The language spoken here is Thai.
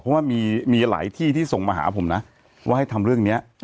เพราะว่ามีหลายที่ที่ส่งมาหาผมนะว่าให้ทำเรื่องนี้